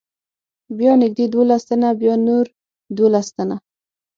بیا نږدې دولس تنه، بیا نور دولس تنه.